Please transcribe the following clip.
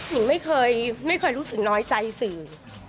หญิงไม่เคยรู้สึกน้อยใจสื่อ